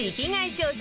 商品